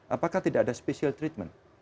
apakah tidak ada special treatment